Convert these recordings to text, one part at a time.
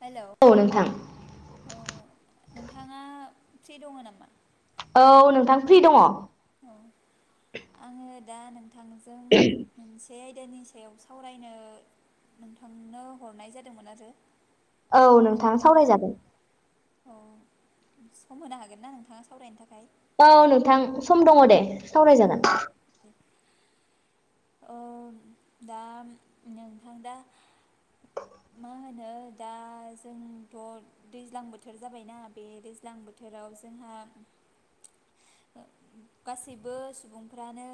Hello औ नोंथां अ नोंथाङा फ्रि दङ' नामा औ नोंथां फ्रि दङ' औ आङो दा नों थांजों मोनस बे आयदानि सायाव सावरायनो नोंथांनो हरनाय जादोंमोन आरो औ नोंथां सावरायजागोन अ सम होनो हागोन ना नोंथाङा सावरायनो थाखाय औ नोंथां सम दङ' दे सावराय जागोन ओ दा नोंथां दा मा होनो दा जोंथ' दैज्लां बोथोर जाबायना बे दैज्लां बोथोराव जोंहा ओ गासैबो सुबुंफ्रानो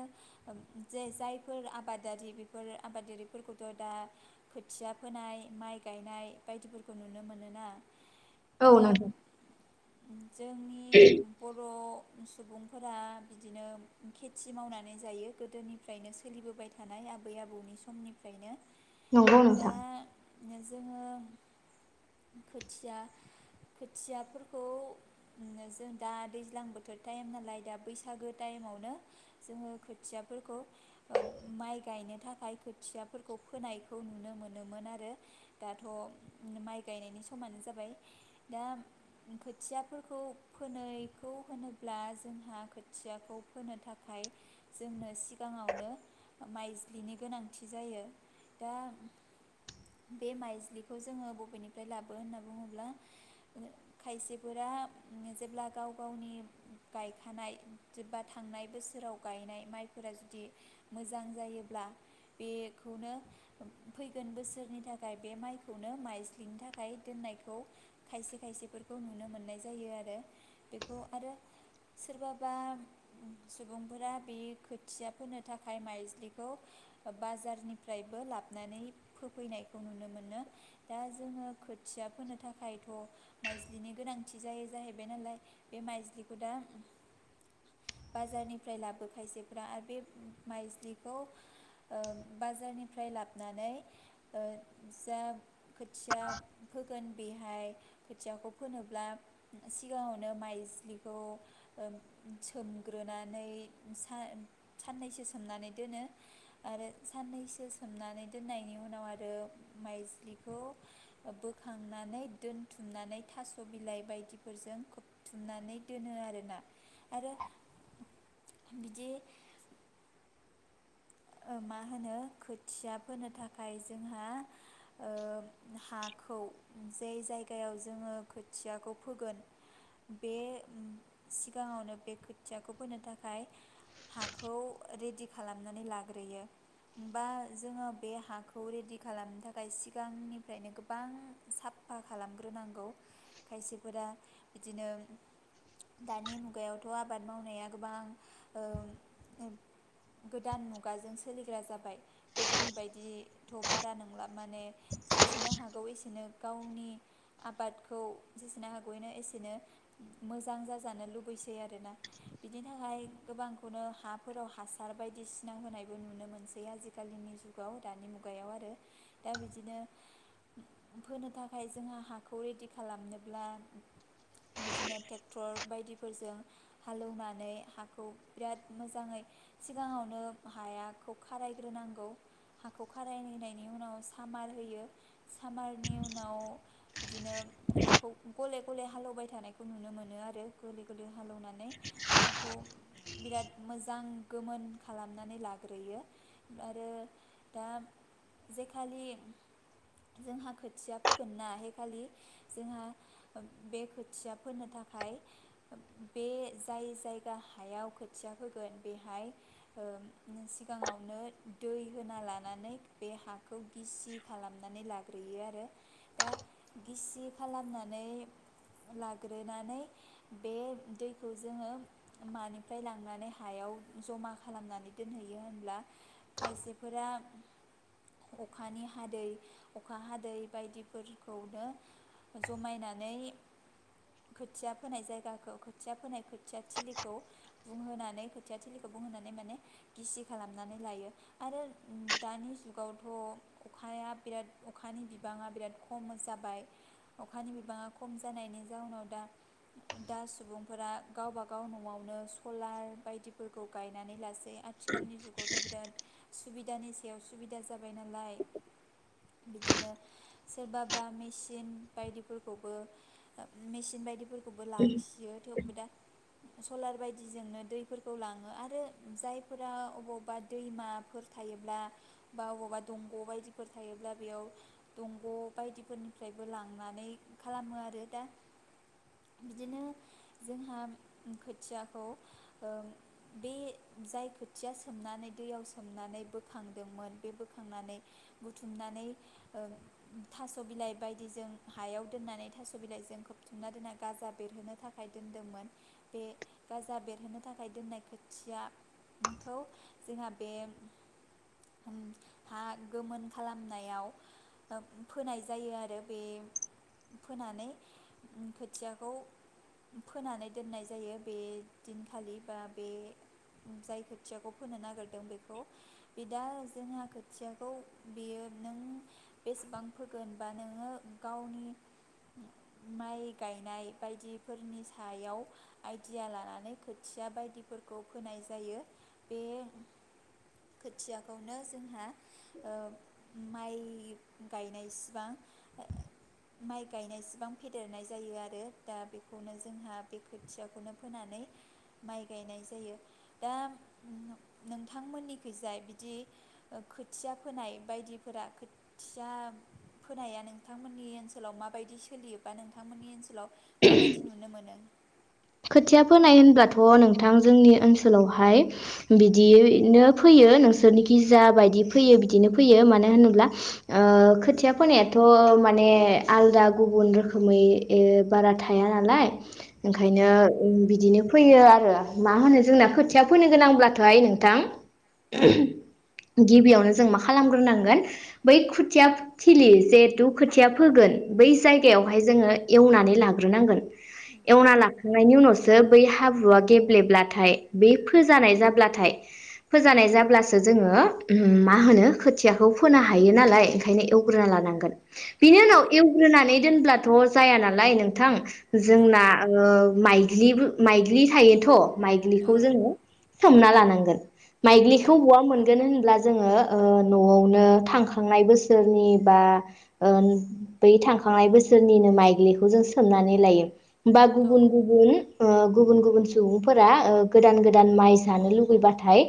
[unintelligible] जे जाय फोर आबादारि बेफोर आबादारिफोरखौथ' दा खोथिया फोनाय माइ गायनाय बायदिफोरखौ नुनो मोनोना औ [unintelligible] उम जोंनि बर' सुबुंफोरा बिदिनो खेथि मावनानै जायो गोदोनिफ्रायनो स सोलिबोबाय थानाय आबै -आबौनि समनिफ्रायनो नंगौ दा नोंथां [unintelligible] जोङो खोथिया खोथियाफोरखौ इनो जों दा दैज्लां बोथोर थाइम नालाय दा बैसागो टाइमावनो जोङो खोथियाफोरखौ ओम माइ गायनो थाखाय खोथियाफोरखौ फोनायखौ नुनो मोनोमोन आरो दाथ' माइ गायनायनि समानो जाबाय दा खोथियाफोरखौ फोनायखौ होनोब्ला जोंहा खोथियाखौ फोनो थाखाय जोंनो सिगाङावनो माइज्लिनि गोनांथि जायो दा बे माइज्लिखौ जोङो बबेनिफ्राय लाबो होनना बुङोब्ला ओ खायसेफोरा उम जेब्ला गाव गावनि गायखानाय जेब्बा थांनाय बोसोराव गायनाय माइफोरा जुदि मोजां जायोब्ला बेखौनो फैगोन बोसोरनि थाखाय बे माइखौनो माइज्लिनि थाखाय दोननायखौ खायसे खायसेफोरखौ नुनो मोननाय जायो आरो बेखौ आरो सोरबाबा सुबुंफोरा बे खोथिया फोनो थाखाय माइज्लिखौ ओ बाजारनिफ्रायबो लाबनानै फोफैनायखौ नुनो मोनो दा जोङो खोथिया फोनो थाखायथ' माइज्लिनि गोनांथि जायो जाहैबाय नालाय बे माइज्लिखौ दा बाजारनिफ्राय लाबो खायसेफ्रा आरो बे माइज्लिखौ ओ बाजारनिफ्राय लाबनानै ओ जा खोथिया फोगोन बे [unintelligible] खोथियाखौ फोनोब्ला सिगाङावनो माइज्लिखौ ओम सोमग्रोनानै साय साननैसोस सोमनानै दोनो आरो साननैसो सोमनानै दोननायनि उनाव आरो माइज्लिखौ ओ बोखांनानै दोनथुमनानै थास' बिलाइ बायदिफोरजों खोबथुमनानै दोनो आरोना आरो बिदि ओ मा होनो खोथिया फोनो थाखाय जोंहा ओ हाखौ जे जायगायाव जोङो खोथियाखौ फोगोन बे सिगाङावनो बे खोथियाखौ फोनो थाखाय हाखौ रेडि खालामनानै ला ग्रोयो बा जोङो बे हाखौ रेडि खालामनो थाखाय सिगांनिफ्रायनो गोबां साफा खालामग्रोनांगौ खायसेफोरा बिदिनो दानि मुगायावथ' आबाद मावनाया गोबां ओ [unintelligible] गोदान मु गाजों सोलिग्रा जाबाय गोदोनि बायदिथ' बारा नोंला माने जेसेनो हागौ एसेनो गावनि आबादखौ जेसेनो हागौनो एसेनो मोजां जाजानो लुबैसै आरोना बिदिनोहाय गोबांखौनो हाफोराव हासार बायदिसि ना होनायबो नुनो मोनसै आजिखालिनि जुगाव दानि मुगायाव आरो दा बिदिनो फोनो थाखाय जोंहा हाखौ रेडि खालामनोब्ला बिदिनो थेक्टर बायदिफोरजों हालौवनानै हाखौ बिराद मोजाङै सिगाङावनो हायाखौ खारायग्रोनांगौ हाखौ खारायनायनि उनाव सामार होयो। सामारनि उनाव बिदिनो हाखौ गले गले हालेवबाय थानायखौ नुनो मोनो आरो गुलि गुलि हालौवनानै हाखौ बिराद मोजां गोमोन खा लामनानै लाग्रोयो आरो दा जेखालि जोंहा खोथिया फोगोन ना हैखालि जोंहा बे खोथिया फोनो थाखाय बे जाय जायगा हायाव खोथिया फोगोन बेहाय ओ सिगाङावनो दै होना लानानै बे हा खौ गिसि खालामनानै ला ग्रोयो आरो दा गिसि खालामनानै लाग्रोनानै बे दैखौ जोङो मानिफ्राय लांनानै हायाव जमा खालामनानै दोनहैयो होनब्ला खायसेफोरा अखानि हादै अखा हादै बायदिफोरखौनो जमायनानै खोथिया फोनाय जायगाखौ खोथिया फोनाय खोथिया थिलिखौ बुंहोनानै खोथिया थिलिखौ बुंहोनानै माने गिसि खालामनानै लायो आरो दानि जुगावथ' अखाया बिराद अखानि बिबाङा बिराद खम जाबाय अखानि बिबाङा खम जानायनि जाउनाव दा दा सुबुंफोरा गावबा गाव न'आवनो सलार बायदिफोरखौ गाय नानै लासै। आथिखालनि जुगावथ' बिराद सुबिदानि सायाव सुबिदा जाबाय नालाय बिदिनो सोरबाबा मेसिन बायदिफोरखौबो मेसिन बायदि खौबो लाखियो थेवबो दा सलार बायदिजोंनो दैफोरखौ लाङो आरो जायफोरा अबावबा दैमाफोर थायोब्ला बा अबावबा दंग' बायदिफोर थायोब्ला बेयाव दंग' बायदिफोरनिफ्रायबो लांनानै खालामो आरो दा बिदिनो जोंहा खोथियाखौ ओ बे जाय खोथिया सोमनानै दैयाव सोमनानै बोखांदोंमोन बे बोखांनानै बुथुमनानै थास' बिलाइ बायदिजों हायाव दोननानै थास' बिलाइजों खोबथुमना दोनना गाजा बेरहोनो थाखाय दोनदोंमोन बे गाजा बेरहोनो थाखाय दोननाय खोथिया खौ जोंहा बे हा गोमोन खालामनायाव फोनाय जायो आरो बे फोनानै खोथियाखौ फोनानै दोननाय जायो बे दिनखालि बा बे जाय खोथियाखौ फोनो नागिरदों बेखौ बे दा जोंहा खोथियाखौ बेयो नों बेसेबां फोगोन बा नोङो गावनि माइ गायनाय बायदिफोरनि सायाव आइदिया लानानै खोथिया बायदिफोरखौ फोनाय जायो बे खोथियाखौनो जोंहा ओ माइ गायनायसिबां माइ गायनायसिबां फेदेरनाय जायो आरो दा बेखौनो जोंहा बे खोथियाखौनो फोनानै माइ गायनाय जायो। दा नोंथांमोननिखैजाय बिदि खोथिया फोनाय बायदिफोरा खोथिया फोनाया नोंथांमोननि ओनसोलाव माबायदि सोलियोबा नोंथांमोननि ओनसोलाव माबायदि नुनो मोनो? खोथिया फोनाय होनब्लाथ' नोंथां जोंनि ओनसोलावहाय बिदिनो फैयो नोंसोरनिखि जा बायदि फैयो बिदिनो फैयो मानो होनोब्ला खोथिया फोनायाथ' माने आलदा गुबुन रोखोमै बारा थाया नालाय। औ ओंखायनो बिदिनो फैयो आरो मा होनो जोंना खोथिया फोनो गोनांब्लाथ'हाय नोंथां गिबियावनो जों मा खालामग्रोनांगोन बै खोथिया थिलि जहेथु खोथिया फोगोन बै जायगायावहाय जोङो एवनानै लाग्रोनांगोन। औ एवना ला उनावसो बै हाब्रुआ गेब्लेब्लाथाय बि फोजानाय जाब्लाथाय फोजानाय जाब्लासो जोङो मा होनो खोथियाखौ फोनो हायो नालाय ओंखायनो एवग्रोना लानांगोन। बिनि औ उनाव एवग्रोनानै दोनब्ला दाथ' जाया नालाय नोंथां जोंना नंगौ ओ माइग्लिबो माइग्लि थायोथ' माइग्लिखौ औ जोङो सोमना लानां नांगोन। औ माइग्लिखौ बवा मोनगोन होनब्ला जोङो न'आवनो थांखांनाय बोसोरनि बा बै थांखांनाय बोसोरनिनो माइग्लिखौ जों सोमनानै लायो बा औ गुबुन गुबुन-गुबुन-गुबुन सुबुंफोरा गोदान गोदान माइ जानो लुुबैबाथाय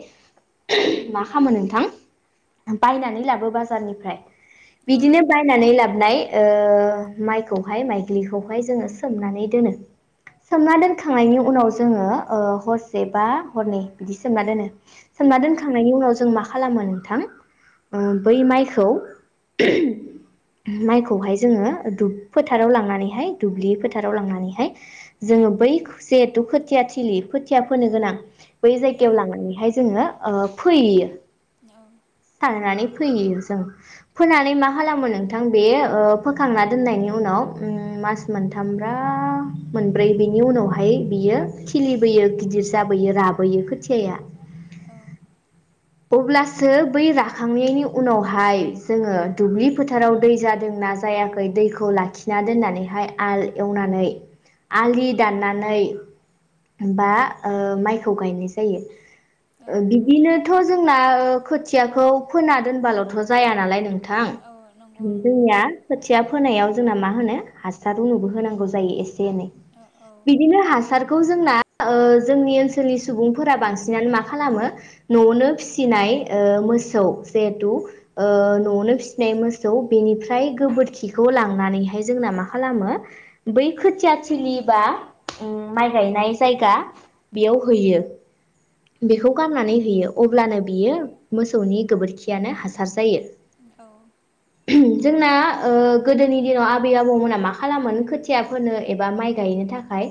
मा खालामो नोंथां बायनानै लाबो बाजारनिफ्राय औ बिदिनो बायनानै लाबोनाय ओ माइखौहाय माइग्लिखौहाय जोङो सोमनानै दोनो सोमना दोनखांनायनि उनाव जोङो हरसे बा हरनै बिदि सोमना दोनो सोमना दोनखांनायनि उनाव जों मा खालामो नोंथां बै माइखौ माइखौहाय जोङो फोथाराव लांनानैहाय दुब्लि फोथाराव लांनानैहाय जोङो बै जिहेथु खोथिया थिलि खोथिया फोनो गोनां बै जायगायाव लांनानैहाय जोङो फोयैयो सारनानै फोयो जों फोनानै मा खालामो नोंथां बे फोखांना दोननायनि उनाव मास मोनथामब्रा मोनब्रै बिनि उनावहाय बियो खिलिबोयो गिदिर जाबोयो राबोयो खोथियाया औ अब्लासो बै राखांनायनि उनावहाय जोङो दुब्लि फोथाराव दै जादोंना जायाखै दैखौ लाखिना दोननानैहाय आल एवनानै आलि दाननानै बा माइखौ गायनाय जायो औ बिदिनो थ' जोंना खोथियाखौ फोना दोनबाल'थ' जाया नालाय नों थां औ नंगौ नोंथां नंगौ दैया खोथिया फोनायाव जोंना मा होनो हासार उनुबो होनांगौ जायो एसे एनै औ बिदिनो हासारखौ जोंना ओ जोंनि ओनसोलनि सुबुंफोरा बांसिनानो मा खालामो न'आवनो फिसिनाय ओ मोसौ जिहेथु ओ न'आवनो फिसिनाय मोसौ बेनिफ्राय गोबोरखिखौ लांनानैहाय जोंना मा खालामो बै खोथियाथिलि बा ओम माइ गायनाय जायगा बेयाव होयो बेखौ गारनानै होयो अब्लानो बियो मोसौनि गोबोरखियानो हासार जायो औ जोंना ओ गोदोनि दिनाव आबै- आबौमोना मा खालामोन खोथिया फोनो एबा माइ गायनो थाखाय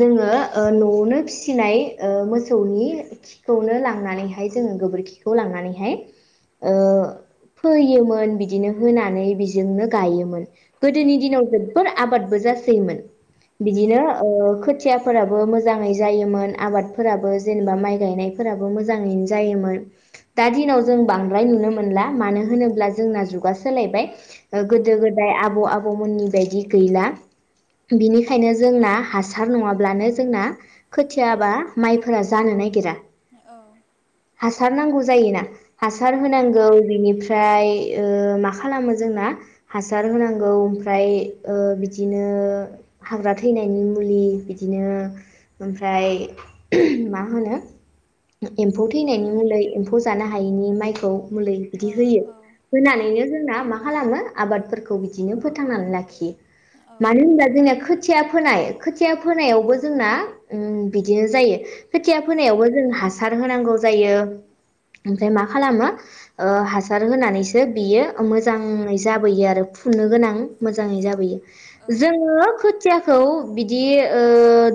जोङो ओ न'आवनो फिसिनाय ओ मोसौनि खिखौनो लां नानैहाय जोङो गोबोरखिखौ लांनानैहाय ओ फोयोमोन बिदिनो होनानै बिजोंनो गायोमोन गोदोनि दिनाव जोबोरा आबादबो जासोयोमोन बिदिनो ओ खोथिया फोराबो मोजाङै जायोमोन आबादफोराबो जेनेबा माइ गायनायफोराबो मोजाङैनो जायोमोन दा दिनाव जों बांद्राय नुनो मोनला मानो होनोब्ला जोंना जुगा सोलायबाय ओ औ गोदो -गोदाय आबौ -आबै आबौमोननि बायदि गैला बिनिखायनो जोंना हासार नङाब्लानो जोंना खोथियाबा माइफोरा जानो नागिरा औ हासार नांगौ जायोना हासार उम होनांगौ बेनिफ्रा ओमफ्राय ओ मा खालामो जोंना हासार होनांगौ ओमफ्राय ओ बिदिनो हाग्रा थैनायनि मुलि बिदिनो ओमफ्राय मा होनो एम्फौ थैनायनि मुलै एम्फौ जानो हायैनि माइखौ मुलि बिदि औ होयो औ होनानैनो जोंना मा मा खालामो आबादफोरखौ बिदिनो फोथांनानै लाखियो औ मानो होनबा जोंना खो खोथिया फोनाय खोथिया फोनायावबो जोंना ओ बिदिनो जायो खोथिया नंगौ फोनायावबो जों हास हासार होनांगौ जायो ओमफ्राय मा खालामो ओ हासार होनानैसो बियो मोजाङै जाबोयो आरो फुनो गोनां मोजाङै जाबोयो। औ जोङो खोथिया खौ बिदि ओ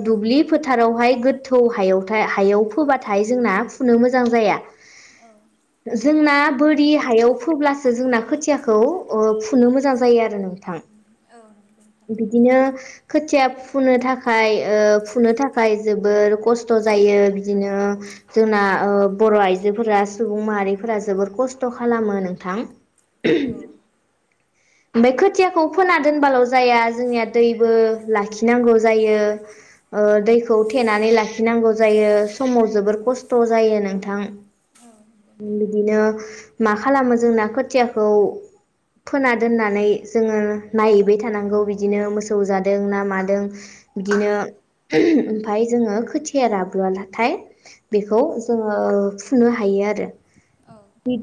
दुब्लि फोथारावहाय गोथौ हायावथाय हायाव फोबाथाय नाथाय जोंना फुनो मोजां जाया। [unintelligible] जोंना बोरि हायाव फोब्लासो जोंना खोथियाखौ ओ फुनो मोजां जायो आरो नोंथां। औ नंगौ नोंथां बिदिनो खोथिया फुनो थाखाय ओ फुनो थाखाय जोबोर खस्थ' जायो बिदिनो जोंना ओ बर' आइजोफोरा सुबुं माहारिफोरा जोबोर खस्थ' खालामो नोंथां। [unintelligible] औ ओमफ्राय खोथियाखौ फोना दोनबाल' जाया जोंनिया दैबो लाखिनांगौ जायो ओ दैखौ थेनानै लाखिनांगौ जायो समाव जोबोर खस्थ' जायो नोंथां। [unintelligible] बिदिनो मा खालामो जों ना खोथियाखौ फोना दोननानै जोङो नायहैबाय थानांगौ बिदिनो मोसौ जादों ना मादों। बिदिनो ओमफ्राय जोङो खोथिया राबोलाथाय बेखौ जोङो फुनो हायो आरो औ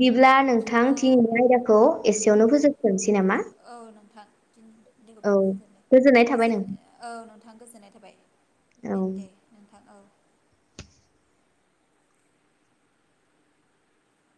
बि ब्ला नोंथां औ दिनि आयदाखौ एसेयावनो होजोबथनोसै। औ नोंथांखौ औ बेयावनो गोजोननाय फोजोनाय थाबाय नों औ नोंथां गोजोननाय थाबाय औ दे नोंथां औ।